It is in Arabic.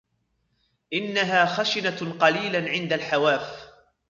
إنها خَشِنة قليلاً عند الحواف.